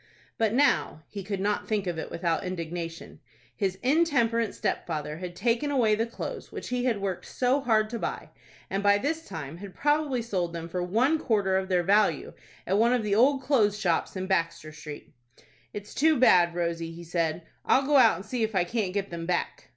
But now—he could not think of it without indignation—his intemperate stepfather had taken away the clothes which he had worked so hard to buy, and, by this time, had probably sold them for one quarter of their value at one of the old clothes shops in Baxter Street. "It's too bad, Rosie!" he said. "I'll go out, and see if I can't get them back."